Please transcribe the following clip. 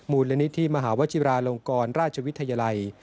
มูลนิธิมหาวชิราลงกรราชวิทยาลัย